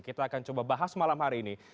kita akan coba bahas malam hari ini